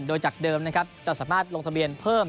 โดยจากเดิมนะครับจะสามารถลงทะเบียนเพิ่ม